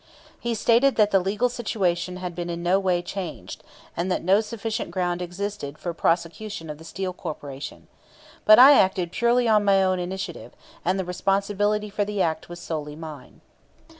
He stated that the legal situation had been in no way changed, and that no sufficient ground existed for prosecution of the Steel Corporation. But I acted purely on my own initiative, and the responsibility for the act was solely mine.